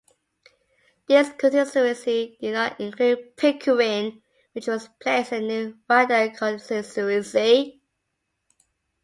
This constituency did not include Pickering, which was placed in a new Ryedale constituency.